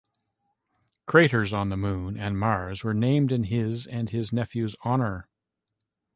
Craters on the Moon and Mars were named in his and his nephew's honor.